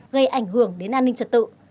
không ảnh hưởng đến an ninh trật tự